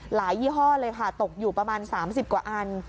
ยี่ห้อเลยค่ะตกอยู่ประมาณ๓๐กว่าอัน